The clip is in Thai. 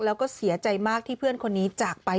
แล้วก็เสียใจมากที่เพื่อนคนนี้จากไป